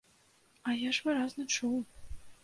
А я ж выразна чуў!